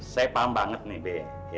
saya paham banget nih be